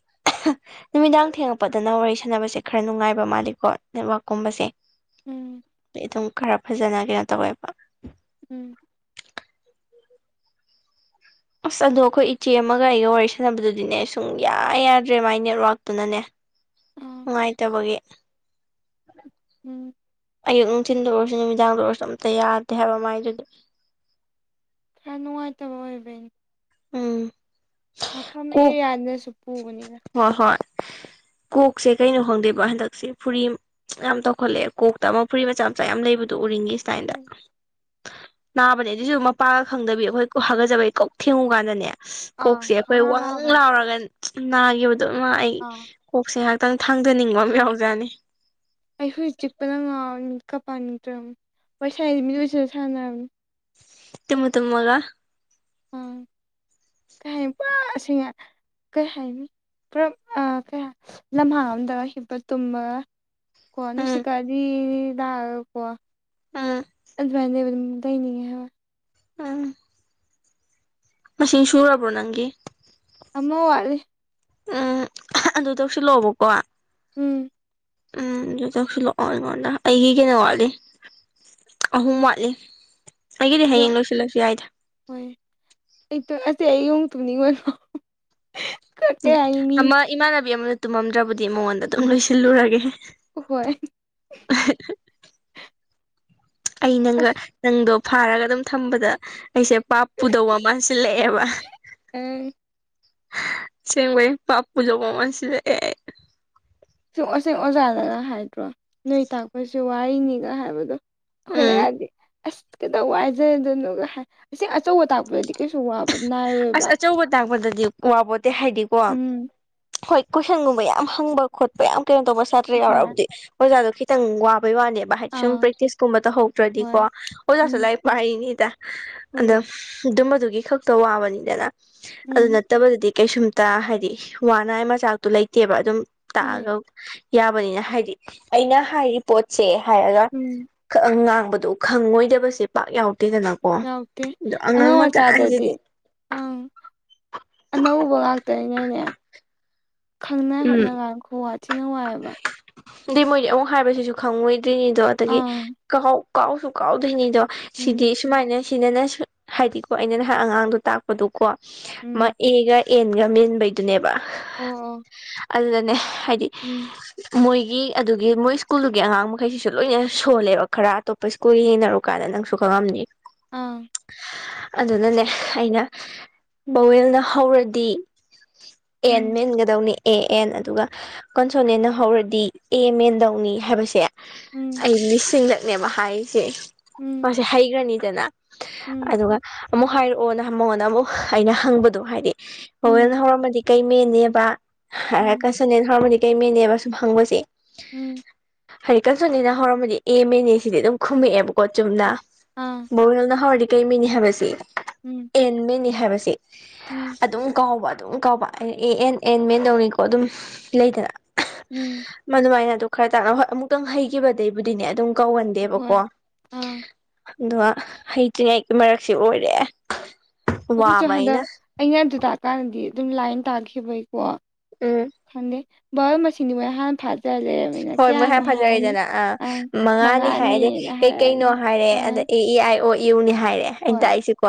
[inaudible] ꯅꯨꯃꯤꯗꯥꯡ ꯊꯦꯡꯉꯛꯄꯗꯅ ꯋꯥꯔꯤ ꯁꯥꯟꯅꯕꯁꯦ ꯈꯔ ꯅꯨꯡꯉꯥꯏꯕ ꯃꯥꯜꯂꯤꯀꯣ ꯅꯦꯠꯋꯥꯛꯀꯨꯝꯕꯁꯦ ꯎꯝ ꯑꯗꯨꯝ ꯈꯔ ꯐꯖꯅ ꯀꯩꯅꯣ ꯇꯧꯋꯦꯕ꯫ ꯎꯝ꯫ ꯑꯁ ꯑꯗꯣ ꯑꯩꯈꯣꯏ ꯏꯆꯦ ꯑꯃꯒ ꯑꯩꯒ ꯋꯥꯔꯤ ꯁꯥꯟꯅꯕꯗꯨꯗꯤꯅꯦ ꯁꯨꯡ ꯌꯥ ꯌꯥꯗ꯭ꯔꯦ ꯃꯥꯏ ꯅꯦꯠꯋꯥꯛꯇꯨꯅꯅꯦ꯫ ꯑꯥ ꯅꯨꯡꯉꯥꯏꯇꯕꯒꯤ ꯎꯝ ꯑꯌꯨꯛ ꯅꯨꯡꯊꯤꯟꯜꯗ ꯑꯣꯏꯔꯁꯨ ꯅꯨꯃꯤꯗꯥꯡꯗ ꯑꯣꯏꯔꯁꯨ ꯑꯝꯇ ꯌꯥꯗꯦ ꯍꯥꯏꯕ ꯃꯥꯏꯗꯨꯗꯤ ꯌꯥꯝ ꯅꯨꯡꯉꯥꯏꯇꯕ ꯑꯣꯏꯕꯩꯅꯦ ꯎꯝ ꯃꯐꯝ ꯀꯣꯛ ꯑꯦꯔꯤꯌꯥꯗꯁꯨ ꯄꯨꯕꯅꯤꯅ ꯍꯣꯏ ꯍꯣꯏ ꯀꯣꯛꯁꯦ ꯀꯩꯅꯣ ꯈꯪꯗꯦꯕ ꯍꯟꯗꯛꯁꯦ ꯐꯨꯔꯤ ꯌꯥꯝ ꯇꯧꯈꯠꯂꯛꯑꯦ ꯀꯣꯛꯇ ꯑꯃ ꯐꯨꯔꯤ ꯃꯆꯥ ꯃꯆꯥ ꯌꯥꯝ ꯂꯩꯕꯗꯣ ꯎꯔꯤꯡꯒꯤ ꯏꯁꯇꯥꯏꯜꯗ ꯎꯝ ꯅꯥꯕꯅꯦ ꯑꯗꯨꯏꯁꯨ ꯃꯄꯥꯒ ꯈꯪꯗꯕꯤ ꯑꯩꯈꯣꯏ ꯍꯥꯒꯠꯆꯕꯩ ꯀꯣꯛ ꯊꯦꯡꯉꯨ ꯀꯥꯟꯗꯅꯦ ꯑꯥ ꯀꯣꯛꯁꯦ ꯑꯩꯈꯣꯏ ꯈꯪꯅꯥ ꯋꯥꯡ ꯅꯥꯕꯅꯤ ꯂꯥꯎꯔꯒ ꯅꯥꯈꯤꯕꯗꯨꯣꯅ ꯑꯩ ꯑꯥ ꯀꯣꯛꯁꯦ ꯉꯍꯥꯛꯇꯪ ꯊꯥꯡꯗꯅꯤꯡꯕ ꯑꯃ ꯌꯥꯎꯖꯅꯤ ꯑꯩ ꯍꯧꯖꯤꯛ ꯆꯤꯛꯄꯅ ꯉꯥꯎ ꯅꯨꯃꯤꯠ ꯀ ꯄꯥꯟꯅꯤꯇ꯭ꯔꯕ ꯋꯥꯔꯤꯣꯏ ꯁꯥꯏꯁꯤ ꯃꯤ ꯑꯣꯏꯖꯅ ꯁꯥꯟꯅꯔꯝꯅꯤ ꯇꯃ ꯇꯪꯃꯒ ꯑꯥ [unintelligible] ꯀꯩ ꯄꯁꯤꯡ [unintelligible] ꯀꯩ ꯍꯥꯏꯅꯤ ꯄꯨꯔꯞ ꯑꯥ ꯀꯩ ꯂꯝꯍꯥꯡ ꯑꯝꯗ ꯍꯤꯞꯄ ꯇꯨꯝꯃꯒ ꯎꯝ ꯀꯅꯁꯤꯀꯥꯗꯤꯗ ꯀꯣꯋꯥ ꯎꯝ ꯑꯗꯨ [unintelligible] ꯂꯩꯅꯤꯡꯉ‌ꯦ ꯍꯥꯏꯕ ꯎꯝ [unintelligible] ꯉꯁꯤ ꯁꯨꯔꯕ꯭ꯔꯣ ꯅꯪꯒꯤ ꯑꯃ ꯋꯥꯠꯂꯤ ꯎꯝ ꯑꯗꯨ ꯇꯧꯁꯤꯜꯂꫭꯑꯣꯕꯀꯣ ꯎꯝ ꯎꯝ ꯑꯗꯨ ꯊꯧꯁꯤꯜꯂꯛꯑꯣ ꯑꯩꯉꯣꯟꯗ ꯑꯩꯒꯤ ꯀꯩꯋꯥ ꯋꯥꯠꯂꯤ ꯑꯍꯨꯝ ꯋꯥꯠꯂꯤ ꯑꯩꯒꯤꯗꯤ ꯑꯗꯣ ꯍꯌꯦꯡ ꯂꯣꯏꯁꯤꯜꯂꯁꯨ ꯌꯥꯏꯗ ꯍꯣꯏ ꯑꯩ ꯇꯣꯏꯑꯁꯦ ꯑꯩꯣꯡ ꯇꯨꯝꯅꯤꯡꯉꯅꯣ [unintelligible] ꯎꯝ ꯑꯃ ꯏꯃꯥꯟꯅꯕꯤ ꯑꯃꯅ ꯇꯨꯝꯃꯝꯗ꯭ꯔꯕꯨꯗꯤ ꯃꯉꯣꯟꯗ ꯑꯗꯨꯝ ꯂꯣꯏꯁꯤꯜꯂꯨꯔꯒꯦ ꯍꯣꯏ ꯑꯩ ꯅꯪꯒ ꯑꯁ ꯅꯪꯗꯣ ꯐꯥꯔꯒ ꯑꯗꯨꯝ ꯊꯝꯕꯗ ꯑꯩꯁꯦ ꯄꯥꯞ ꯄꯨꯗꯧꯕ ꯃꯥꯟꯁꯤꯜꯂꯛꯑꯦꯕ ꯑꯪ ꯑꯁꯦꯡꯕꯩ ꯄꯥꯞ ꯄꯨꯗꯧꯕ ꯃꯥꯟꯁꯤꯜꯂꯛ ꯑꯦ ꯁ ꯑꯁꯦꯡ [unintelligible] ꯑꯣꯖꯥꯗꯒ ꯍꯥꯏꯗ꯭ꯔꯣ ꯅꯣꯏ ꯇꯥꯛꯄꯁꯤ ꯋꯥꯔꯤꯅꯤꯒ ꯍꯥꯏꯕꯗꯣ ꯎꯝ ꯍꯣꯏꯂꯗꯤ [unintelligible] ꯑꯁ ꯀꯈꯤꯇ [unintelligible] ꯋꯥꯏꯖꯗꯣꯏꯅꯣ ꯑꯁꯤ ꯑꯆꯧꯕ ꯇꯥꯛꯄꯗꯗꯤ ꯀꯩꯁꯨ ꯋꯥꯕ ꯑꯁ ꯅꯥꯏꯔꯣꯏꯕ ꯑꯆꯧꯕ ꯇꯥꯛꯄꯗꯗꯤ ꯋꯥꯄꯣꯠꯇ‌ꯦ ꯍꯥꯏꯗꯤꯀꯣ ꯎꯝ ꯍꯣꯏ ꯀꯣꯏꯁꯟꯒꯨꯝꯕ ꯌꯥꯝ ꯍꯪꯕ ꯈꯣꯠꯄ ꯌꯥꯝ ꯀꯩꯅꯣ ꯇꯧꯕ ꯁꯥꯇ꯭ꯔ ꯍꯣꯏ ꯌꯥꯎꯔꯛꯑꯕꯨꯗꯤ ꯑꯣꯖꯥꯗꯣ ꯈꯤꯇꯪ ꯋꯥꯕꯩ ꯋꯥꯅꯦꯕ ꯍꯥꯏꯗꯤ ꯁꯨꯝ ꯑꯥ ꯄ꯭ꯔꯦꯛꯇꯤꯁꯀꯨꯝꯕ ꯇꯧꯍꯧꯗ꯭ꯔꯗꯤꯀꯣ ꯍꯣꯏ ꯑꯣꯖꯥꯁꯨ ꯎꯝ ꯂꯥꯏ ꯋꯥꯔꯤꯅꯤꯗ ꯍꯣꯏꯌꯦ ꯑꯗꯨꯝ ꯑꯗꯨꯝꯕꯗꯨꯒꯤ ꯈꯛꯇ ꯋꯥꯕꯅꯤꯗꯅ ꯑꯗꯨ ꯎꯝ ꯅꯠꯇꯕꯗꯗꯤ ꯀꯩꯁꯨꯝꯇ ꯍꯥꯏꯗꯤ ꯋꯥꯅꯉꯥꯏ ꯃꯆꯥꯛꯇꯣ ꯂꯩꯇꯦꯕ ꯑꯗꯨꯝ ꯍꯣꯏ ꯇꯥꯛꯑꯒ ꯌꯥꯕꯅꯤꯅ ꯍꯥꯏꯗꯤ ꯑꯩꯅ ꯍꯥꯏꯔꯤ ꯄꯣꯠꯁꯦ ꯍꯥꯏꯔꯒ ꯎꯝ ꯉꯥꯡꯕꯗꯣ ꯈꯪꯉꯣꯏꯗꯕꯁꯦ ꯄꯥꯛ ꯌꯥꯎꯗꯦꯗꯅ ꯌꯥꯎꯗꯦ ꯑꯉꯥꯡ ꯃꯆꯥꯗꯗꯤ ꯑꯪ ꯑꯅꯧꯕ ꯉꯥꯛꯇꯅꯤꯅꯅꯦ ꯈꯪꯅ ꯎꯝ ꯍꯣꯠꯅꯉꯥꯏ ꯍꫭꯠꯅꯀꯥꯟ ꯈꯣꯋꯥꯊꯤꯅ ꯋꯥꯏ ꯑꯗꯩ ꯃꯣꯏꯗꯤ ꯑꯃꯨꯛ ꯍꯥꯏꯕꯁꯤꯁꯨ ꯈꯪꯉꯣꯏꯗ꯭ꯔꯤꯅꯤꯗꯣ ꯑꯗꯒꯤ ꯑꯪ ꯀꯥꯎ ꯀꯥꯎꯁꯨ ꯀꯥꯎꯗꯣꯏꯅꯤꯗꯣ ꯁꯤꯗꯤ ꯎꯝ ꯁꯨꯃꯥꯏꯅ ꯁꯤꯗꯅ ꯍꯥꯏꯗꯤꯀꯣ ꯑꯩꯅ ꯅꯍꯥꯟ ꯑꯉꯥꯡꯗꯣ ꯇꯥꯛꯄ ꯑꯗꯨꯀꯣ ꯃꯥ ꯎꯝ ꯑꯦꯒ ꯑꯦꯟꯒ ꯃꯦꯟꯕꯩꯗꯨꯅꯦꯕ ꯑꫭ ꯑꫭ ꯑꯗꯨꯗꯅꯦ ꯍꯥꯏꯗꯤ ꯎꯝ ꯃꯣꯏꯒꯤ ꯑꯗꯨꯒꯤ ꯃꯣꯏ ꯁ꯭ꯀꯨꯜꯗꯨꯒꯤ ꯑꯉꯥꯡ ꯃꯈꯩꯁꯤꯁꯨ ꯂꯣꯏꯅ ꯁꯣꯜꯂꯦꯕ ꯈꯔ ꯑꯇꯣꯞꯄ ꯁ꯭ꯀꯨꯜ ꯌ‌ꯦꯡꯅꯔꯨꯀꯥꯟꯗ ꯅꯪꯁꯨ ꯈꯪꯉꯝꯅꯤ ꯎꯝ ꯑꯗꯨꯅꯅꯦ ꯑꯩꯅ ꯕꯋꯦꯜꯅ ꯍꯧꯔꯗꯤ ꯑꯦꯟ ꯎꯝ ꯃꯦꯟꯒꯗꯧꯅꯤ ꯑꯦ ꯑꯦꯟ ꯑꯗꯨꯒ ꯀꯟꯁꯣꯅꯦꯟꯅ ꯍꯧꯔꯗꯤ ꯑꯦ ꯃ‌ꯦꯟꯗꯧꯅꯤ ꯍꯥꯏꯕꯁꯦ ꯎꯝ ꯑꯩ ꯂꯤꯁꯤꯡꯂꯛ ꯅꯦꯕ ꯍꯥꯏꯔꯤꯁꯦ ꯎꯝ ꯃꯥꯁꯦ ꯍꯩꯈ꯭ꯔꯅꯤꯗꯅ ꯎꯝ ꯑꯗꯨꯒ ꯑꯃꯨꯛ ꯍꯥꯏꯔꯛꯑꯣꯅ ꯃꯉꯣꯟꯗ ꯑꯃꯨꯛ ꯑꯩꯅ ꯍꯪꯕꯗꯣ ꯍꯥꯏꯗꯤ ꯕꯋ‌ꯦꯜꯅ ꯎꯝ ꯍꯧꯔꯝꯃꯗꯤ ꯀꯩꯃꯦꯟꯅꯦꯕ ꯍꯥꯏ ꯎꯝ ꯀꯟꯁꫭꯅꯦꯟ ꯍꯣꯔꯝꯃꯗꯤ ꯀꯩꯃꯦꯟꯅꯦꯕ ꯁꯨꯝ ꯍꯪꯕꯁꯦ ꯎꯝ ꯍꯥꯏ ꯀꯜꯁꯣꯅ‌ꯦꯟꯅ ꯍꯧꯔꯝꯕꯗꯤ ꯑꯦ ꯃꯦꯟꯅꯦ ꯁꯤꯗꯤ ꯑꯗꯨꯝ ꯈꯨꯝꯃꯛꯑꯦꯕꯀꯣ ꯆꯨꯝꯅ ꯑꯥ ꯕꯋ‌ꯦꯜꯅ ꯍꯧꯔꯗꯤ ꯀꯩ ꯃ‌ꯦꯟꯅꯤ ꯍꯥꯏꯕꯁ‌ꯦ ꯎꯝ ꯑꯦꯟ ꯃꯅꯤ ꯍꯥꯏꯕꯁꯤ ꯎꯝ ꯑꯗꯨꯝ ꯀꯥꯎꯕ ꯑꯗꯨꯝ ꯀꯥꯎꯕ ꯑꯦ ꯑꯦꯟ ꯑꯦꯟ ꯃꯦꯟꯗꯧꯅꯤꯀꯣ ꯑꯗꯨꯝ ꯂꯩꯗꯅ ꯎꯝ ꯃꯗꯨꯃꯥꯏꯅꯗ ꯈꯔ ꯇꯥꯅ ꯍꯣꯏ ꯑꯃꯨꯛꯇꯪ ꯍꯩꯒꯤꯈꯤꯕꯗꯩꯕꯨꯗꯤꯅꯦ ꯑꯗꯨꯝ ꯍꯣꯏ ꯀꯧꯒꯟꯗꯦꯕꯀꯣ꯫ ꯑꯥ ꯑꯗꯨꯒ ꯍꯩꯇ꯭ꯔꯤꯉꯩꯒꯤ ꯃꯔꯛꯁꯦ ꯑꯣꯏꯔꯦ ꯑꯩꯈꯣꯏꯁꯨ ꯋꯥꯕ ꯍꯟꯗꯛ ꯑꯩꯅ ꯑꯩꯩꯅ ꯑꯗꯨ ꯇꯥꯛꯀꯥꯟꯗꯗꯤ ꯑꯗꯨꯝ ꯂꯥꯏꯟ ꯇꯥꯈꯤꯕꯒꯤꯀꯣ ꯎꯝ [unintelligible] ꯍꯣꯏ ꯃꯣꯏ ꯍꯥꯟ ꯐꯖꯔꯦꯗꯅ ꯑꯥ ꯑꯪ ꯃꯉꯥꯅꯤ ꯍꯥꯏ ꯑꯗꯩ ꯃꯉꯥꯅꯤꯅ ꯍꯥꯏꯔꯛꯑꯅꯤ ꯀꯩꯀꯩꯅꯣ ꯍꯥꯏꯔꯦ ꯑ ꯑꯗ ꯏ ꯑꯦ ꯑꯥꯏ ꯑꯣ ꯏꯨꯅꯤ ꯍꯥꯏꯔꯦ ꯑꯩꯅ ꯍꯣꯏ ꯇꯥꯛꯏꯁꯦꯀꯣ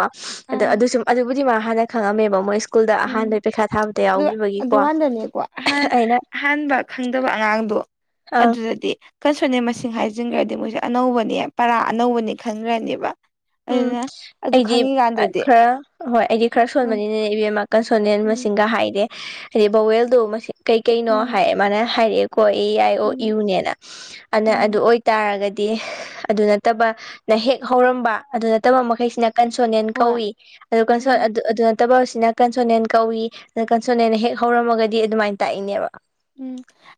ꯑꯗꯣ ꯑꯪ ꯑꯗꯨ ꯁꯨꯝ ꯑꯗꯨꯕꯨꯗꯤ ꯃꯥ ꯍꯥꯟꯅ ꯈꯪꯉꯝꯃꯦꯕ ꯃꯣꯏ ꯁ꯭ꯀꯨꯜꯗ ꯎꯝ ꯑꯍꯥꯟꯕꯩ ꯄꯩꯈꯥ ꯊꯥꯕꯗ ꯑꯗꯨ ꯌꯥꯎꯈꯤꯕꯒꯤꯀꯣ ꯑꯗꯨꯀꯥꯟꯗꯅꯦꯀꯣ ꯑꯍꯥꯟ ꯑꯩꯅ ꯑꯍꯥꯟꯕ ꯈꯪꯗꯕ ꯑꯉꯥꯡꯗꯣ ꯑꯪ ꯑꯗꯨꯗꯗꯤ ꯀꯟꯁꯨꯅꯦꯟ ꯃꯁꯤꯡ ꯍꯥꯏꯖꯤꯟꯈ꯭ꯔꯗꯤ ꯃꯣꯏꯁꯦ ꯑꯅꯧꯕꯅꯤ ꯄꯔꯥ ꯑꯅꯧꯕꯅꯤ ꯈꯟꯈ꯭ꯔꯅꯤꯕ꯫ ꯎꯝ ꯑꯩꯗꯤ ꯈꯔ ꯍꯣꯏ ꯑꯩꯗꯤ ꯈꯔ ꯎꯝ ꯁꯣꯟꯕꯅꯤꯅꯦ ꯏꯕꯦꯝꯃ ꯀꯟꯁꯣꯅꯦꯟ ꯎꯝ ꯃꯁꯤꯡꯒ ꯍꯥꯏꯗꯦ ꯍꯥꯏꯗꯤ ꯕꯧꯋꯦꯜꯗꯣ ꯃꯁꯤꯡ ꯀꯩ ꯀꯩꯅꯣ ꯎꯝ ꯍꯥꯏ ꯃꯥꯅ ꯍꯥꯏꯔꯛꯑꯦꯀꯣ ꯑꯦ ꯌꯥꯏ ꯑꯣ ꯎꯝ ꯏꯨꯅꯦꯅ ꯑꯗꯨꯅ ꯎꯝ ꯑꯗꯨ ꯑꯣꯏ ꯇꯥꯔꯒꯗꯤ ꯑꯗꯨ ꯅꯠꯇꯕꯅ ꯍꯦꯛ ꯍꯧꯔꯝꯕ ꯑꯗꯨ ꯅꯠꯇꯕ ꯃꯈꯩꯁꯤꯅ ꯀꯟꯁꯣꯅꯤꯟ ꯍꯣꯏ ꯀꯧꯏ ꯑꯗꯨ ꯀꯟꯁꯣ ꯎꯝ ꯑꯗꯨ ꯑꯗꯨ ꯇꯕꯁꯤꯅ ꯀꯟꯁꯣꯅꯦꯟ ꯀꯧꯏ ꯀꯟꯁꯣꯅꯦꯟ ꯍꯦꯛ ꯍꯧꯔꯝꯃꯒꯗꯤ ꯑꯗꯨꯃꯥꯏꯅ ꯇꯥꯛꯏꯅꯦꯕ꯫ ꯎꯝ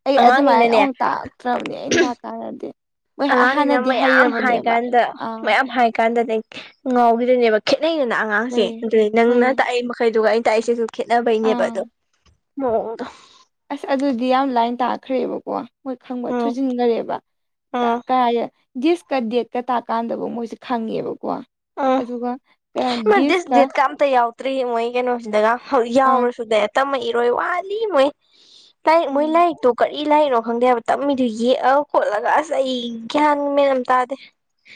ꯑꯩ ꯑꯗꯨꯃꯥꯏꯅ ꯑꯉꯥꯡꯅꯤꯅꯅꯦ ꯑꯃꯨꯛ ꯇꯥꯛꯇ꯭ꯔꯕꯅꯦ ꯑꯩꯅ ꯇꯥꯛꯀꯥꯟꯗꯗꯤ꯫ ꯃꯣꯏ ꯑꯉꯥꯡꯅꯤꯅ ꯍꯥꯟꯅꯗꯤ ꯃꯌꯥꯝ ꯍꯥꯏ ꯍꯩꯔꯕꯅꯦꯕ ꯀꯥꯟꯗ ꯑꯥ ꯃꯌꯥꯝ ꯍꯥꯏ ꯀꯥꯟꯗꯅꯦ ꯉꯥꯎꯒꯤꯗꯨꯅꯦꯕ ꯈꯦꯠꯅꯩꯗꯅ ꯑꯉꯥꯡꯁꯦ ꯍꯣꯏꯌꯦ ꯑꯗꯨꯅꯤ ꯅꯪꯅ ꯍꯣꯏꯌꯦ ꯇꯥꯛꯏ ꯃꯈꯩꯗꯨꯒ ꯑꯩꯅ ꯇꯥꯛꯏꯁꯤꯁꯨ ꯈꯦꯠꯅꯕꯩꯅꯦꯕꯥ ꯑꯥ ꯑꯗꯨ ꯃꯑꯣꯡ ꯗꯨ꯫ ꯑꯁ ꯑꯗꯨꯗꯤ ꯌꯥꯝ ꯂꯥꯏꯟ ꯇꯥꯛꯈ꯭ꯔꯦꯕꯀꯣ ꯃꯣꯏ ꯈꯪꯕ ꯎꯝ ꯊꯨꯖꯤꯟꯒꯔꯦꯕ ꯎꯝ ꯀꯗꯥꯏ ꯗꯤꯁꯀ ꯗꯦꯠꯀ ꯇꯥꯛꯀꯥꯟꯗꯕ ꯃꯣꯏꯁꯦ ꯈꯪꯉꯦꯕꯀꯣ ꯎꯝ ꯑꯗꯨꯒ ꯃꯥ ꯗꯤꯁ ꯗꯤꯁꯀ ꯗꯦꯠꯀ ꯑꯝꯇ ꯌꯥꯎ ꯆꯠꯇ꯭ꯔꯤ ꯃꯣꯏ ꯀꯩꯅꯣꯁꯤꯗꯒ ꯍꯧꯖꯤꯛ ꯑꯪ ꯌꯥꯎꯔꯁꯨꯗ ꯇꯝꯃꯛ ꯏꯔꯣꯏ ꯋꯥꯠꯂꯤ ꯃꯣꯏ ꯂꯥꯏꯔꯤꯛ ꯃꯣꯏ ꯎꯝ ꯂꯥꯏꯔꯤꯛꯇꯣ ꯀꯔꯤ ꯂꯥꯏꯔꯤꯛꯅꯣ ꯈꯪꯗꯦ ꯍꯥꯏꯕ ꯇꯝꯃꯤꯗꯨ ꯌꯦꯛꯑ ꯈꯣꯠꯂꯒ ꯑꯁ ꯑꯩ ꯒ꯭ꯌꯥꯟ ꯃꯦꯟ ꯇꯥꯗꯦ꯫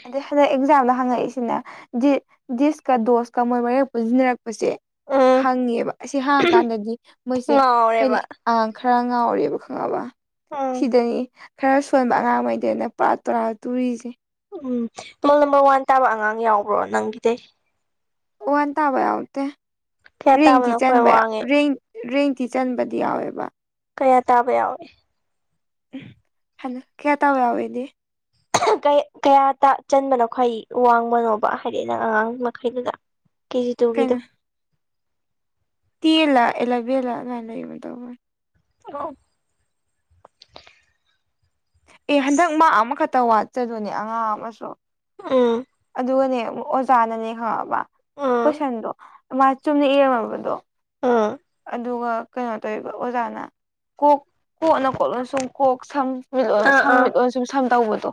ꯑꯗꯩ ꯍꯟꯗꯛ ꯑꯦꯛꯖꯥꯝꯗ ꯍꯪꯉꯛꯏꯁꯤꯅ ꯗꯤꯁ ꯗꯤꯁꯀ ꯗꯣꯁꯀ ꯃꯣꯏ ꯃꯔꯛ ꯄꯨꯁꯤꯟꯅꯔꯛꯄꯁꯦ ꯎꯝ ꯍꯪꯉꯦꯕ ꯑꯁꯤ ꯍꯥꯡꯉꯀꯥꯟꯗꯗꯤ ꯃꯣꯏꯁꯦ ꯀꯩꯅꯣ ꯉꯥꯎꯔꯦꯕ ꯑ ꯈꯔ ꯉꯥꯎꯔꯤꯕ ꯈꯪꯉꯕ ꯎꯝ ꯁꯤꯗꯅꯤ ꯈꯔ ꯁꯣꯟꯕ ꯑꯉꯥꯡꯃꯩꯗꯅ ꯄꯨꯔꯥ ꯇꯣꯔꯥ ꯇꯨꯔꯤꯁꯦ꯫ ꯎꯝ ꯔꯣꯜ ꯅꯝꯕꯔ ꯋꯥꯟ ꯇꯥꯕ ꯑꯉꯥꯡ ꯌꯥꯎꯕ꯭ꯔꯣ ꯅꯪꯒꯤꯗꯩ? ꯋꯥ ꯋꯥꯟ ꯇꯥꯕ ꯌꯥꯎꯗꯦ ꯀꯌꯥ ꯔꯦꯡ ꯇꯤ ꯇꯥꯕꯅꯣ ꯈ꯭ꯋꯥꯏ ꯆꯟꯕ ꯋꯥꯡꯉꯦ ꯔꯦꯡ ꯔꯦꯡꯇꯤ ꯆꯟꯕꯗꯤ ꯌꯥꯎꯋꯦꯕ꯫ ꯀꯌꯥ ꯇꯥꯕ ꯌꯥꯎꯏ? ꯎ ꯍꯟꯅ ꯀꯌꯥ ꯇꯥꯕ ꯌꯥꯎꯏꯗꯤ ꯀꯩ ꯀꯌꯥ ꯇ ꯆꯟꯕꯅꯣ ꯈ꯭ꯋꯥꯏ ꯋꯥꯡꯕꯅꯣꯕ ꯍꯥꯏꯗꯤ ꯅꯪ ꯑꯉꯥꯡ ꯃꯈꯩꯗꯨꯗ? ꯀꯦꯖꯤ ꯇꯨꯒꯤꯗꯣ ꯇꯦꯜꯂꯥ ꯑꯦꯂꯕꯦꯜꯂꯥ ꯑꯗꯨꯃꯥꯏ ꯂꯩꯒꯤꯒꯨꯝ ꯇꯧꯕꯅꯤ꯫ ꯑ ꯑꯦ ꯍꯟꯗꯛ ꯃꯥꯛ ꯑꯃꯈꯛꯇ ꯋꯥꯠꯆꯗꯨꯅꯦ ꯑꯉꯥꯡ ꯑꯃꯁꯨ ꯎꯝ ꯑꯗꯨꯒꯅꯦ ꯑꯣꯖꯥꯅꯅꯦ ꯈꯪꯉꯕ ꯎꯝ ꯀꯣꯏꯁꯟꯗꯣ ꯃꯥ ꯆꯨꯝꯅ ꯏꯔꯝꯃꯕꯗꯣ ꯎꯝ ꯑꯗꯨꯒ ꯀꯩꯅꯣ ꯇꯧꯔꯤꯕ ꯑꯣꯖꯥꯅ ꯀꯣꯛ ꯀꯣꯛꯅ ꯀꯣꯛ ꯂꯣꯟꯁꯨꯝ ꯀꯣꯛ ꯁꯝ ꯃꯤꯠꯂꯣꯟ ꯑꯥ ꯁꯝ ꯑꯥ ꯃꯤꯠꯂꯣꯟ ꯁꯨꯝ ꯁꯝ ꯇꯧꯕꯗꯣ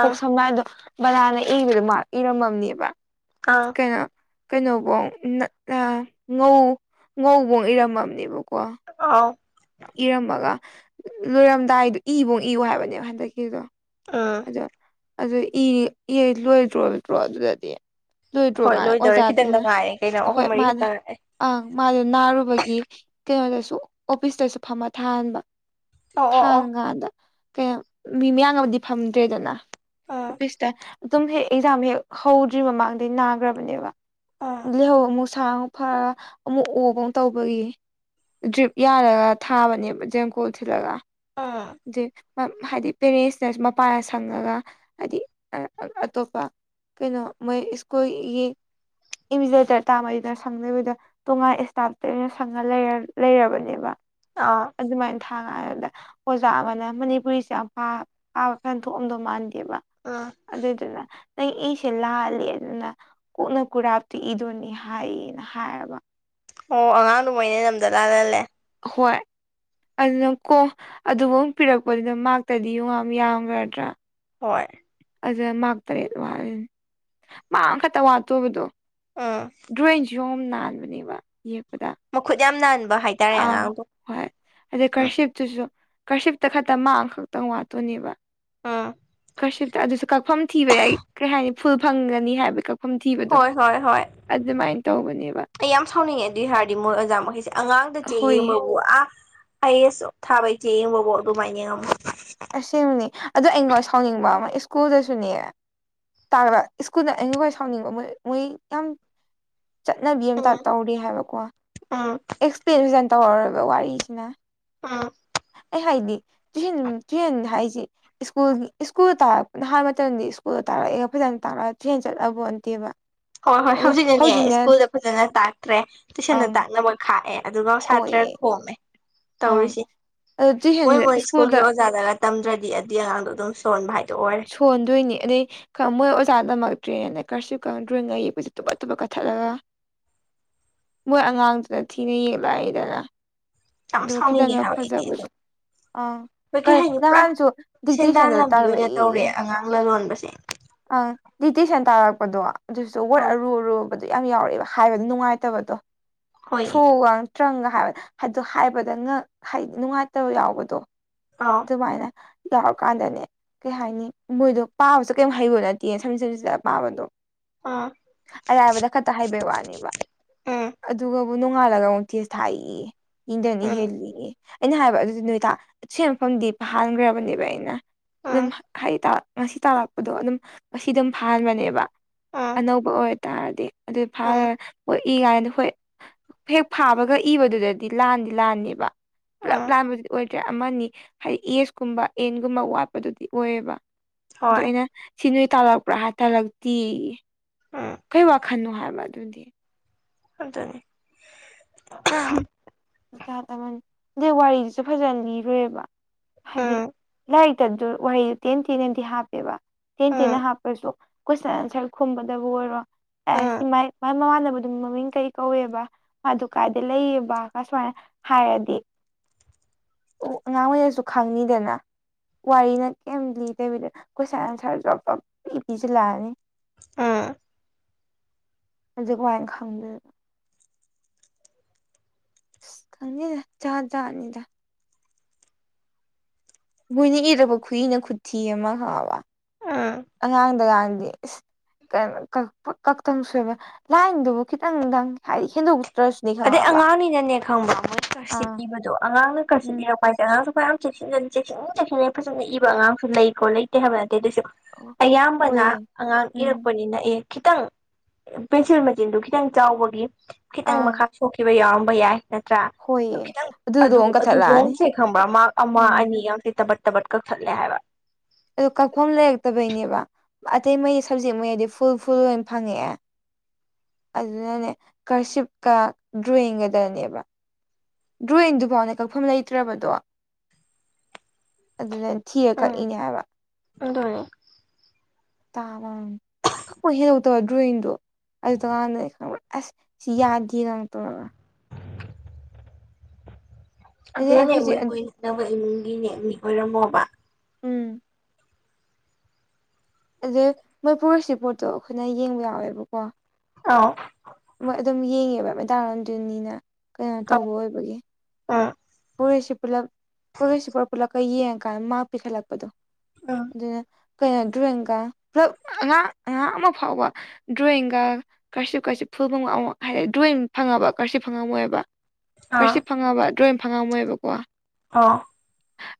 ꯀꯣꯛ ꯁꯝ ꯍꯥꯏ ꯑꯗꯣ ꯕꯂꯥꯅ ꯏꯕꯗꯣ ꯃꯥꯜꯂꯦ ꯏꯔꯝꯃꯝꯅꯦꯕ ꯑꯥꯎ ꯀꯩꯅꯣ ꯀꯩꯅꯣꯐꯣꯡ ꯉꯧ ꯉꯧꯕꯣꯡ ꯏꯔꯝꯃꯅꯦꯕꯀꯣ ꯑꯥꯎ ꯏꯔꯝꯃꯒ ꯂꯣꯏꯔꯝꯗꯥꯏꯗꯣ ꯏꯕꯧ ꯏꯌꯨ ꯍꯥꯏꯕꯅꯦꯕ ꯍꯟꯗꯛꯀꯤꯗꯣ ꯎꯥ ꯑ ꯑꯗꯨ ꯂꯣꯏꯗ꯭ꯔꯣꯕꯗ꯭ꯔꯣ ꯑꯗꯨꯗꯗꯤ ꯂꯣꯏꯗ꯭ꯔꯣ ꯍꯣꯏ ꯀꯥꯟꯗ ꯂꯣꯏꯗꯧꯔꯦ ꯈꯤꯇꯪꯗ ꯑꯣꯖꯥꯗꯨꯅꯦ ꯉꯥꯏꯔꯦ ꯀꯩꯅꯣ ꯑꯍꯨꯝ ꯍꯣꯏ ꯃꯔꯤ ꯃꯥꯅꯦ ꯈꯛꯇꯪ ꯑꯪ ꯃꯥꯗꯣ ꯅꯥꯔꯨꯕꯒꯤ ꯀꯩꯅꯣꯗꯁꯨ ꯑꯣꯐꯤꯁꯇꯁꯨ ꯐꯝꯃ ꯊꯥꯍꯟꯕ ꯑꯣ ꯑꯣ ꯊꯥꯡ ꯑꯣ ꯀꯥꯟꯗ ꯀꯩꯅꯣ ꯃꯤ ꯃꯌꯥꯝ ꯑꯃꯗꯤ ꯐꯝꯗ꯭ꯔꯦꯗꯅ ꯎꯝ ꯑꯣꯐꯤꯁꯇ ꯑꯗꯨꯝ ꯍꯦꯛ ꯑꯦꯛꯖꯥꯝ ꯍꯦꯛ ꯍꯧꯗ꯭ꯔꯤ ꯃꯃꯥꯡꯗꯩ ꯅꯥꯈ꯭ꯔꯕꯅꯦꯕ ꯎꯝ ꯂꯩꯍꯧ ꯑꯃꯨꯛ ꯁꯥꯡꯛ ꯐꯔ ꯑꯃꯨꯛ ꯑꯣꯕ ꯑꯃ ꯇꯧꯕꯒꯤ ꯗ꯭ꯔꯤꯞ ꯌꯥꯔꯒ ꯊꯥꯕꯅꯦꯕ ꯖꯦꯡꯀꯣꯜ ꯊꯤꯜꯂꯒ ꯎꯝ ꯦ ꯍꯥꯏꯗꯤ ꯄꯦꯔꯦꯟꯁꯅꯁꯨ ꯃꯄꯥꯟꯗ ꯁꯪꯉꯒ ꯍꯥꯏꯗꯤ ꯑꯇꯣꯞꯄ ꯀꯩꯅꯣ ꯃꯣꯏ ꯁ꯭ꯀꯨꯜꯒꯤ ꯏꯃꯤꯗꯦꯇꯔ ꯇꯥꯃꯩꯗ ꯁꯪꯗꯕꯤꯗ ꯇꯣꯉꯥꯟ ꯏꯁꯇꯥꯞꯇꯩꯅ ꯁꯪꯉ ꯂꯩꯔꯕꯅꯤ ꯕ ꯑꯥ ꯑꯗꯨꯃꯥꯏꯅ ꯊꯥꯉꯗ ꯑꯣꯖꯥ ꯑꯃꯅ ꯃꯅꯤꯄꯨꯔꯤꯁꯦ ꯌꯥꯝ ꯄꯥꯕ ꯐꯦꯟ ꯊꯣꯛꯣꯛꯑꯝꯗꯧ ꯃꯥꯟꯗꯦꯕ ꯑꯥ ꯑꯗꯨꯗꯨꯅ ꯅꯪ ꯑꯩꯁꯦ ꯂꯥꯜꯂꯤ ꯑꯗꯨꯅ ꯀꯣꯛꯅ ꯀꯨꯔꯥꯞꯇꯨ ꯏꯗꯣꯏꯅꯤ ꯍꯥꯏꯌꯦꯅ ꯍꯥꯏꯔꯕ ꯑꯣ ꯑꯉꯥꯡꯗꯣ ꯃꯣꯏꯅ ꯅꯝꯗ ꯂꯥꯜꯍꯜꯂꯦ ꯍꯣꯏ ꯑꯗꯨꯅ ꯀꯣ ꯑꯗꯨꯕꯨ ꯑꯃ ꯄꯤꯔꯛꯄꯗꯨꯅ ꯃꯥꯛꯇꯗꯤ ꯌꯨꯉꯥ ꯌꯥꯝꯒꯗ꯭ꯔꯥ ꯍꯣꯏ ꯑꯖ ꯃꯥꯔ ꯇꯔꯦꯠ ꯋꯥꯂꯤꯦꯅꯤ ꯃꯥ ꯑꯃꯈꯛꯇ ꯋꯥꯠꯇꯣꯏꯕꯗꯣ ꯑꯥ ꯗ꯭ꯔꯣꯋꯤꯡꯁꯨ ꯑꯃ ꯅꯥꯟꯕꯅꯦꯕ ꯌꯦꯛꯄꯗ ꯃꯈꯨꯠ ꯌꯥꯝ ꯅꯥꯟꯕ ꯍꯥꯏꯦ ꯑꯥ ꯍꯣꯏ ꯑꯗꯨꯗꯩ ꯀꯔꯁꯤꯞꯇꯨꯁꯨ ꯀꯔꯁꯤꯞꯇ ꯈꯛꯇ ꯃꯥꯥꯡ ꯈꯛꯇꯪ ꯋꯥꯠꯇꯣꯏꯅꯦꯕ ꯎꯝ ꯀꯁꯤꯞꯇ ꯑꯗꯨꯁꯨ ꯀꯛꯐꯝ ꯊꯤꯕ ꯌꯥꯏ ꯀꯔꯤ ꯍꯥꯏꯅꯤ ꯐꯨꯜ ꯐꯪꯒꯅꯤ ꯍꯥꯏꯕ ꯐꯝꯊꯤꯕꯗꯣ ꯍꯣꯏ ꯍꯣꯏ ꯍꯣꯏ ꯑꯗꯨꯃꯥꯏꯅ ꯇꯧꯕꯅꯦꯕ ꯑꯩ ꯌꯥꯝ ꯁꯥꯎꯅꯤꯡꯉꯦ ꯑꯗꯨꯏ ꯍꯥꯏꯔꯗꯤ ꯃꯣꯏ ꯑꯣꯖꯥ ꯃꯈꯩꯁꯦ ꯑꯉꯥꯡꯗ ꯆꯦ ꯍꯣꯏꯌꯦ ꯌꯦꯡꯕꯕꯨ ꯑꯥ ꯑꯩ ꯑꯁ ꯊꯥꯕꯩꯆꯦ ꯌꯦꯡꯕꯀꯣ ꯑꯗꯨꯃꯥꯏꯅ ꯌꯦꯡꯉꯝꯃ ꯑꯕꯅꯤ ꯑꯗꯣ ꯑꯩꯉꯣꯟ ꯁꯥꯎꯅꯤꯡꯕ ꯑꯃ ꯁ꯭ꯀꯨꯜꯗꯁꯨꯅꯦ ꯇꯥ ꯁ꯭ꯀꯨꯜꯗ ꯑꯩꯅ ꯈꯣꯏ ꯁꯥꯎꯅꯤꯡꯕ ꯃꯣꯏ ꯃꯣꯏ ꯌꯥꯝ ꯆꯠꯅꯕꯤ ꯑꯃꯝꯇ ꯇꯧꯔꯤ ꯍꯥꯏꯕꯀꯣ ꯑꯥ ꯑꯦꯛꯁꯄ꯭ꯂꯦꯟꯖꯦꯟ ꯇꯧꯔꯔꯣꯏꯕ ꯋꯥꯔꯤꯁꯤꯅ ꯑꯥ ꯑꯩ ꯍꯥꯏꯅꯤ ꯇꯨꯦꯟ ꯇꯨꯍꯦꯟ ꯍꯥꯏꯁꯤ ꯁ꯭ꯀꯨꯜ ꯁ꯭ꯀꯨꯜ ꯇꯥꯔꯛꯄꯅ ꯍꯥꯏꯕ ꯃꯇꯝꯗ ꯁ꯭ꯀꯨꯜꯗ ꯇꯥꯔꯛꯑꯒ ꯐꯖꯅ ꯇꯥꯔꯛꯑꯒ ꯇ꯭ꯔꯦꯟ ꯆꯠꯂꯕꯇꯦꯕ ꯍꯣꯏ ꯍꯣꯏ ꯍꯧꯖꯤꯛꯅꯅꯦ ꯁ꯭ꯀꯨꯜꯗ ꯐꯖꯅ ꯇꯥꯛꯇ꯭ꯔꯦ ꯇꯨꯏꯁꯟꯗ ꯑꯪ ꯇꯥꯛꯅꯕ ꯈꯥꯛꯑꯦ ꯑꯗꯨꯒꯥꯎ ꯁꯥꯇ꯭ꯔ ꯍꯣꯏꯌꯦ ꯈꯣꯝꯃꯦ ꯑꯪ ꯇꯧꯔꯤꯁꯤ ꯑꯗꯣ ꯃꯣꯏ ꯇꯨꯏꯁꯟꯁꯦ ꯃꯣꯏ ꯁ꯭ꯀꯨꯜꯗ ꯁ꯭ꯀꯨꯜꯒꯤꯖꯥ ꯒ ꯇꯝꯗ꯭ꯔꯗꯤ ꯑꯗꯨꯗꯤ ꯑꯉꯥꯡꯗꯣ ꯑꯗꯨꯝ ꯁꯣꯟꯕ ꯍꯥꯏꯗꯣ ꯑꯣꯏꯔ ꯊꯣꯟꯗꯣꯏꯅꯦ ꯑꯗꯩ ꯈꯥ ꯃꯣꯏ ꯑꯣꯖꯥꯅ ꯇꯥꯝꯃꯛꯇ꯭ꯔꯦꯅꯦ ꯀꯥꯔꯁꯤꯞꯒ ꯗꯔꯣꯌꯤꯡꯒ ꯌꯦꯛꯄꯁꯦ ꯇꯨꯄꯥꯠ ꯇꯨꯄꯥꯠ ꯀꯥꯛꯊꯠꯂꯒ ꯃꯣꯏ ꯑꯉꯥꯡꯗꯨꯅ ꯊꯤꯅ ꯌꯦꯛꯂꯛꯏꯗꯅ ꯌꯥꯝ ꯑꯗ ꯁꯥꯎꯅꯤꯡꯉꯦ ꯈꯤꯇꯪꯒ ꯍꯥꯏꯕ ꯑꯩꯗꯤ ꯑꯗꯨ ꯐꯖꯕꯗꯣ ꯑꯥ ꯍꯣꯏ ꯀꯩ ꯍꯥꯏꯅꯤ ꯄꯨꯔꯥ ꯅꯍꯥꯟꯁꯨ ꯁꯦꯟꯗꯥꯟ ꯗꯤꯛꯇꯦꯁꯟꯗ ꯂꯝꯕꯤ ꯑꯣꯏꯅ ꯇꯧꯔꯦ ꯇꯥꯛꯂꯛꯑꯦꯌꯦ ꯑꯉꯥꯡ ꯂꯥꯂꯣꯟꯕꯁꯦ ꯑꯥ ꯗꯤꯛꯗꯦꯁꯥꯟ ꯇꯥꯛꯂꯛꯄꯗꯣꯑꯗꯨꯁꯨ ꯋꯥꯠ ꯑꯧ ꯑꯔꯨ ꯑꯔꯨꯕ ꯌꯥꯝ ꯌꯥꯎꯔꯛꯑꯦꯕ ꯍꯥꯏꯕꯗꯨ ꯅꯨꯡꯉꯥꯏꯇꯕꯗꯣ ꯍꯣꯏꯌꯦ ꯊ꯭ꯔꯨꯒ ꯇ꯭ꯔꯪꯒ ꯍꯥꯏꯕꯗ ꯍꯥꯏꯗꯣ ꯍꯥꯏꯕꯗ ꯍꯥꯏꯗꯤ ꯅꯨꯡꯉꯥꯏꯇꯕ ꯌꯥꯎꯕꯗꯣ ꯑꯥꯎ ꯑꯗꯨꯃꯥꯏꯅ ꯌꯥꯎꯔꯀꯥꯟꯗꯅꯦ ꯀꯩ ꯍꯥꯏꯅꯤ ꯃꯣꯏꯗꯣ ꯄꯥꯕꯁꯨ ꯀꯩꯝ ꯍꯩꯕꯣ ꯅꯠꯇꯦ ꯁꯝꯠ ꯁꯝꯁꯤꯠ ꯄꯥꯕꯗꯣ ꯑ ꯑꯔꯥꯏꯕꯗ ꯈꯛꯇ ꯍꯥꯏꯕꯩ ꯋꯥꯅꯦꯕ ꯎꯝ ꯑꯗꯨꯒꯕꯨ ꯅꯣꯡꯉꯥꯜꯂꯒ ꯑꯃꯨꯛ ꯇꯦꯁ ꯊꯥꯏꯌꯦꯌꯦ ꯏꯗꯅꯤ ꯎꯝ ꯍꯦꯜꯂꯤꯉ ꯑꯩꯅ ꯍꯥꯏꯕ ꯑꯗꯨꯗꯤ ꯅꯣꯏ ꯁꯤ ꯃꯐꯝꯗꯤ ꯐꯥꯍꯟꯈ꯭ꯔꯕꯅꯦꯕ ꯑꯩꯅ ꯑꯗꯨꯝ ꯎꯝ ꯍꯥꯏꯗꯤ ꯉꯁꯤ ꯇꯥꯛꯂꯛꯄꯗꯣ ꯑꯗꯨꯝ ꯉꯁꯤ ꯑꯗꯨꯝ ꯐꯥꯍꯟꯕꯅꯦꯕ ꯎꯝ ꯑꯅꯧꯕ ꯑꯣꯏꯔꯇꯥꯔꯗꯤ ꯑꯗꯨ ꯐꯥ ꯎꯝ ꯏ ꯀꯥꯟꯗ ꯍꯣꯏ ꯍꯦꯛ ꯐꯥꯕꯒ ꯏꯕꯗꯨꯗꯗꯤ ꯂꯥꯟꯗꯤ ꯂꯥꯟꯅꯦꯕ ꯄꯨꯂꯞ ꯎꯝ ꯂꯥꯟꯕꯗꯨꯗꯤ ꯑꯣꯏꯗ꯭ꯔꯦ ꯑꯃꯅꯤ ꯍꯥꯏꯗꯤ ꯑꯦꯁꯀꯨꯝꯕ ꯑꯦꯟꯒꯨꯝꯕ ꯋꯥꯠꯄꯗꯨꯗꯤ ꯑꯣꯏꯌꯦꯕ ꯗꯨ ꯍꯣꯏ ꯑꯩꯅ ꯁꯤ ꯅꯣꯏ ꯇꯥꯜꯂꯛꯄ꯭ꯔꯥ ꯍꯥꯏꯔ ꯇꯥꯛꯂꯛꯇꯦꯌꯦ ꯎꯝ ꯀꯩ ꯋꯥꯈꯜꯅꯣ ꯍꯥꯏꯕ ꯑꯗꯨꯗꯤ ꯑꯗꯨꯅꯤ ꯄꯨꯔꯥ ꯖꯥꯠ ꯑꯃꯅꯤ ꯑꯗꯩ ꯋꯥꯔꯤꯁꯤꯁꯨ ꯐꯖꯅ ꯂꯤꯔꯣꯏꯕ ꯍꯥꯏꯗꯤ ꯎꯝ ꯂꯥꯏꯔꯤꯛꯇꯗꯨ ꯋꯥꯍꯩꯗꯨ ꯇꯦꯟ ꯇꯦꯟꯅꯗꯤ ꯍꯥꯞꯄꯦꯕ ꯇꯦꯟ ꯇꯦꯟꯅ ꯎꯝ ꯍꯥꯞꯄꯁꯨ ꯀꯣꯏꯁꯟ ꯑꯟꯁꯔ ꯈꯨꯝꯕꯗꯕꯨ ꯑꯣꯏꯔꯣ ꯑ ꯎꯝ ꯁꯨꯃꯥꯏ ꯃꯥꯏ ꯃꯃꯥꯟꯕꯗꯨ ꯃꯃꯤꯡ ꯀꯔꯤ ꯀꯧꯋꯦꯕ ꯃꯥꯗꯨ ꯀꯥꯏꯗ ꯂꯩꯌꯦꯕ ꯀꯥ ꯁꯨꯃꯥꯏꯅ ꯍꯥꯏꯔꯗꯤ ꯑꯣ ꯑꯉꯥꯡ ꯑꯣꯏꯔꯁꯨ ꯈꯪꯅꯤꯗꯅ ꯋꯥꯔꯤꯅ ꯀꯩꯝ ꯂꯤꯗꯕꯤꯗ ꯀꯣꯏꯁꯟ ꯑꯟꯁꯔ ꯖꯣꯞ ꯖꯣꯞ ꯄꯤ ꯄꯤꯁꯤꯜꯂꯛꯑꯅꯤ ꯎꯝ ꯑꯗꯨ ꯀꯃꯥꯏꯅ ꯈꯪꯗꯣꯏꯕ ꯁꯤꯁ ꯈꯪꯗꯦꯗ ꯖꯥꯠ ꯖꯥꯠꯅꯦꯗ ꯃꯣꯏꯅ ꯏꯔꯛꯄ ꯈꯨꯨꯏꯅ ꯈꯨꯊꯤ ꯑꯃ ꯈꯪꯉꯥꯕ ꯎꯝ ꯑꯉꯥꯡꯗꯒꯥꯟꯗꯤ ꯑꯁ ꯀꯛꯇꯪ ꯁꯣꯏꯕ ꯂꯥꯏꯟꯗꯨꯕꯨ ꯈꯤꯇꯪꯗꯪ ꯍꯥꯏꯗꯤ ꯍꯦꯟꯗꯣꯛꯇ꯭ꯔꯁꯨ ꯑꯗꯩ ꯑꯉꯥꯡꯅꯤꯅꯅꯦ ꯈꯪꯕ꯭ꯔ ꯃꯣꯏꯅ ꯀꯔꯁꯤꯞ ꯑꯥ ꯏꯕꯗꯣ ꯑꯉꯥꯡꯅ ꯀꯔꯁꯤꯞ ꯎꯝ ꯏꯔꯛꯄ ꯃꯥꯏꯁꯦ ꯑꯉꯥꯡꯁꯨ ꯃꯌꯥꯝ ꯆꯦꯛꯁꯤꯟꯅ ꯆꯦꯛꯁꯤꯟ ꯆꯦꯛꯁꯤꯟꯅ ꯐꯖꯅ ꯏꯕ ꯑꯉꯥꯡꯁꯨ ꯂꯩꯀꯣ ꯂꯩꯇꯦ ꯍꯥꯏꯕ ꯅꯠꯇꯦ ꯑꯗꯨꯏꯁꯨ ꯑꯣ ꯑꯌꯥꯝꯕꯅ ꯍꯣꯏꯌꯦ ꯑꯉꯥꯡ ꯎꯝ ꯏꯔꯛꯄꯅꯤꯅ ꯑꯦ ꯈꯤꯇꯪ ꯄꯦꯟꯁꯤꯜ ꯃꯆꯤꯟꯗꯨ ꯈꯤꯇꯪ ꯆꯥꯎꯕꯒꯤ ꯈꯤꯇꯪ ꯃꯈꯥ ꯑꯥ ꯁꯣꯛꯈꯤꯕ ꯌꯥꯎꯔꯝꯕ ꯌꯥꯏ ꯅꯠꯇ꯭ꯔꯥ ꯑꯗꯨ ꯍꯣꯏꯌꯦ ꯈꯤꯇꯪ ꯑꯗꯨꯗꯣ ꯑꯗꯨ ꯑꯃꯨꯛ ꯀꯛꯊꯠꯂꯛꯑꯅꯤ ꯑꯗꯨꯕꯣꯡꯁꯦ ꯈꯪꯕ꯭ꯔꯥ ꯃꯥꯔ꯭ꯛ ꯑꯃꯥ ꯎꯝ ꯑꯅꯤꯒꯥꯡꯁꯦ ꯇꯕꯠ ꯇꯕꯠ ꯀꯛꯊꯠꯂꯦ ꯍꯥꯏꯕ ꯑꯗꯨ ꯀꯛꯐꯝ ꯂꯩꯔꯛꯇꯕꯩꯅꯦꯕ ꯑꯇꯩ ꯃꯩ ꯁꯕꯖꯦꯛ ꯃꯩꯗꯤ ꯐꯨꯜ ꯐꯨꯜ ꯂꯣꯏ ꯐꯪꯉꯛꯑꯦ ꯑꯗꯨꯅꯅꯦ ꯀꯔꯁꯤꯞꯀ ꯗ꯭ꯔꯣꯋꯤꯡꯒꯗꯅꯦꯕ ꯗ꯭ꯔꯣꯋꯤꯡꯗꯨꯐꯥꯎꯅꯦ ꯀꯛꯐꯝ ꯂꯩꯇ꯭ꯔꯕꯗꯣ ꯑꯗꯨꯗ ꯊꯤꯔ ꯀꯛꯏꯅꯦ ꯍꯥꯏꯕ ꯑꯗꯨꯅꯤ [unintelligible] [unintelligible] ꯗ꯭ꯔꯣꯌꯤꯡꯗꯣ ꯑꯗꯨꯗꯀꯥꯡꯅꯦ ꯈꯪꯕ ꯑꯁ ꯁꯤ ꯌꯥꯗꯦꯒꯥꯡ ꯇꯧꯔꯒ ꯑꯗꯩ ꯑꯩ ꯑꯗꯨꯅꯅꯦ ꯍꯧꯖꯤꯛ ꯃꯣꯏ ꯃꯣꯏ ꯅꯛꯅꯕ ꯏꯃꯨꯡꯒꯤꯅꯦ ꯃꯤ ꯑꯣꯏꯔꯝꯃꯣꯕ ꯎꯝ ꯑꯗꯩ ꯃꯣꯏ ꯄꯣꯒ꯭ꯔꯦꯁ ꯔꯤꯄꯣꯠꯇꯣ ꯑꯩꯈꯣꯏꯅ ꯌꯦꯡꯕ ꯌꯥꯎꯋꯦꯕꯀꯣ ꯑꯥꯎ ꯑꯗꯨꯝ ꯌꯦꯡꯉꯦꯕ ꯃꯦꯗꯥꯝ ꯔꯟꯗꯣꯅꯤꯅ ꯀꯩꯅꯣ ꯇꯧꯕ ꯑꯣꯏꯕꯒꯤ ꯑꯥ ꯄꯣꯒ꯭ꯔꯦꯁꯤ ꯄꯨꯂꯞ ꯄꯣꯒ꯭ꯔꯦꯁ ꯔꯤꯄꯣꯠ ꯄꯨꯂꯞꯀ ꯌꯦꯡꯉꯀꯥꯟꯗ ꯃꯥꯀ ꯄꯤꯈꯠꯂꯛꯄꯗꯣ ꯑ ꯑꯗꯨꯅ ꯀꯩꯅꯣ ꯗ꯭ꯔꯣꯋꯤꯡꯒ ꯄꯨꯂꯞ ꯑꯉꯥꯡ ꯑꯉꯥꯡ ꯑꯃ ꯐꯥꯎꯕ ꯗ꯭ꯔꯣꯋꯤꯡꯒ ꯀꯔꯁꯤꯞ ꯀꯁꯤ ꯐꯨꯜ ꯐꯪꯕ ꯑꯃꯧ ꯍꯥꯏ ꯗ꯭ꯔꯣꯋꯤꯡ ꯐꯪꯉꯕ ꯀꯔꯁꯤꯞ ꯐꯪꯉꯝꯃꯣꯏꯕ ꯑꯥ ꯀꯔꯁꯤꯞ ꯐꯪꯉꯕ ꯗ꯭ꯔꯣꯉꯤꯡ ꯐꯪꯉꯝꯃꯣꯏꯕꯀꯣ ꯑꯧ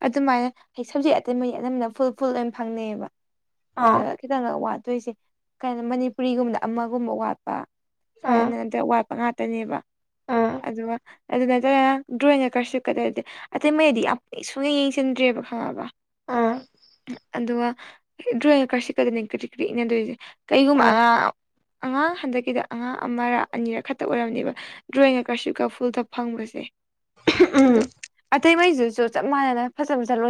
ꯑꯗꯨꯃꯥꯏꯅ ꯁꯕꯖꯦꯛ ꯑꯇꯩ ꯃꯔꯤ ꯑꯅꯝꯕꯅ ꯐꯨꯜ ꯐꯨꯜ ꯂꯣꯏꯅ ꯐꯪꯅꯩꯌꯦꯕ ꯑꯥ ꯑꯗ ꯈꯤꯇꯪꯒ ꯋꯥꯠꯇꯣꯏꯁꯦ ꯀꯩꯅꯣ ꯃꯅꯤꯄꯨꯔꯤꯒꯨꯝꯕꯗ ꯑꯃꯒꯨꯝꯕ ꯋꯥꯠꯄ ꯎꯝ ꯁꯨꯃꯥꯏꯅ ꯅꯠꯇ꯭ꯔꯒ ꯋꯥꯠ ꯉꯥꯛꯇꯅꯦꯕ ꯑꯥ ꯑꯗꯨꯒ ꯑꯗꯨ ꯅꯠꯇꯅ ꯗ꯭ꯔꯣꯏꯤꯡ ꯀꯔꯁꯤꯞꯀꯗꯗꯤ ꯑꯇꯩꯃꯩꯗꯗꯤ ꯌꯥꯝ ꯁꯨꯛꯌꯦꯡ ꯌꯦꯡꯁꯤꯟꯗ꯭ꯔꯦꯕ ꯈꯪꯉꯕ ꯑꯥ ꯑꯗꯨꯒ ꯗ꯭ꯔꯣꯏꯡ ꯀꯥꯔꯁꯤꯞꯀꯗꯅꯤ ꯀꯏꯗ꯭ꯔꯤꯛ ꯀꯏꯗ꯭ꯔꯤꯛ ꯏꯟꯅꯗꯣꯏꯁꯤ ꯀꯩꯒꯨꯝꯕ ꯑꯥ ꯑꯉꯥꯡ ꯑꯉꯥꯡ ꯍꯟꯗꯛꯀꯤꯗ ꯑꯉꯥꯡ ꯑꯃꯔ ꯑꯅꯤꯔ ꯈꯛꯇ ꯑꯣꯏꯔꯝꯅꯦꯕ ꯗ꯭ꯔꯣꯌꯤꯡꯒ ꯀꯔꯁꯤꯞꯀ ꯐꯨꯜꯗ ꯐꯪꯕꯁꯦ ꯑꯇꯩ ꯃꯩꯗꯨꯁꯨ ꯆꯞ ꯃꯥꯟꯅꯅ ꯐꯖ ꯐꯖ ꯂꯣꯏ